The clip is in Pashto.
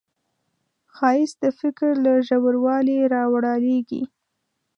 ښایست د فکر له ژوروالي راولاړیږي